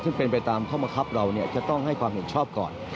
ซึ่งเป็นไปตามข้อบังคับเราจะต้องให้ความเห็นชอบก่อน